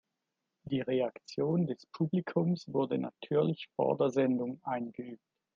Die Reaktion des Publikums wurde natürlich vor der Sendung eingeübt.